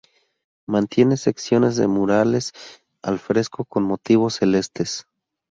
Mantiene secciones de murales al fresco con motivos celestes.